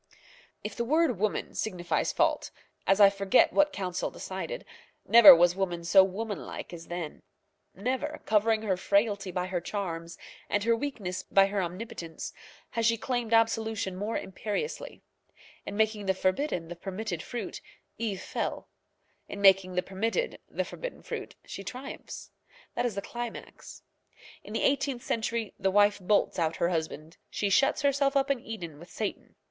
If the word woman signifies fault, as I forget what Council decided, never was woman so womanlike as then. Never, covering her frailty by her charms, and her weakness by her omnipotence, has she claimed absolution more imperiously. In making the forbidden the permitted fruit, Eve fell; in making the permitted the forbidden fruit, she triumphs. That is the climax. In the eighteenth century the wife bolts out her husband. She shuts herself up in Eden with Satan.